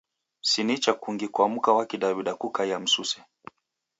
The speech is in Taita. Si nicha kungi kwa mka wa Kidaw'ida kukaia msuse.